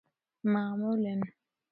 معمولا